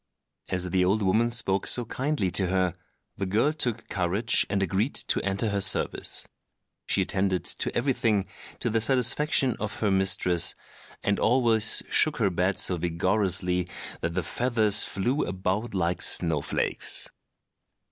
As the old woman spoke so kindly to her, the girl took courage and agreed to enter her service. She attended to everything to the satisfaction of her mistress, and always shook her bed so vigorously that the feathers flew about like snow flakes.